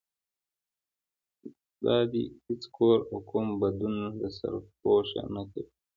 خدا دې هېڅ کور او قوم بدون له سرپوښه نه کوي.